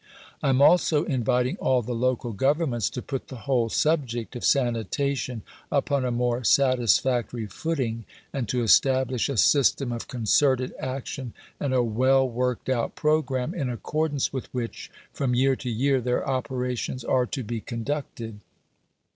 I am also inviting all the local governments to put the whole subject of sanitation upon a more satisfactory footing, and to establish a system of concerted action and a well worked out programme in accordance with which from year to year their operations are to be conducted.